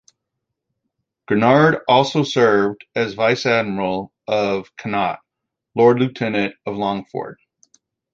Granard also served as Vice-Admiral of Connaught, Lord Lieutenant of Longford.